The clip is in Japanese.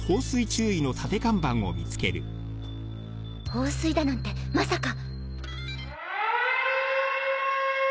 放水だなんてまさか！